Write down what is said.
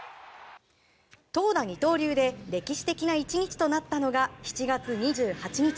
投打二刀流で歴史的な１日となったのが７月２８日。